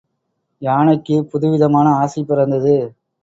யானைக்குப் புதுவிதமான ஆசை பிறந்தது.